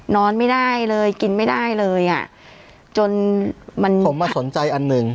นอนไม่ได้เลยกินไม่ได้เลยอ่ะจนมันผมมาสนใจอันหนึ่ง